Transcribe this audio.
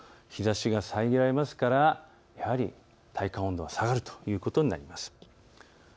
日ざしが遮られますから体感温度は下がるということになります。